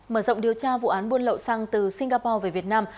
mở rộng điều tra vụ án buôn lậu xăng từ singapore về việt nam